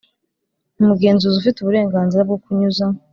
Umugenzi ufite uburenganzira bwo kunyuza